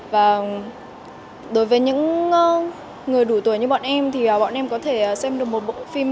và đối với những người đủ tuổi như bọn em thì bọn em có thể xem được một bộ phim